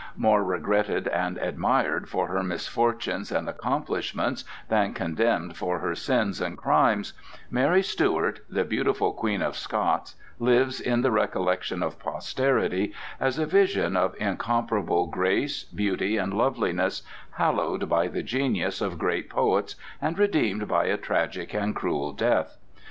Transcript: More regretted and admired for her misfortunes and accomplishments than condemned for her sins and crimes, Mary Stuart, the beautiful Queen of Scots, lives in the recollections of posterity as a vision of incomparable grace, beauty, and loveliness, hallowed by the genius of great poets and redeemed by a tragic and cruel death.